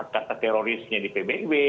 kata terorisnya di pbb